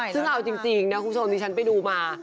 ซึ่งเอาจริงนะคุณผู้ชมที่ฉันไปดูมา